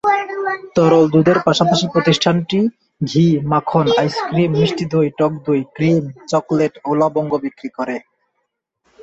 তরল দুধের পাশাপাশি প্রতিষ্ঠানটি ঘি, মাখন, আইসক্রিম, মিষ্টি দই, টক দই, ক্রিম, চকলেট ও লবঙ্গ বিক্রি করে।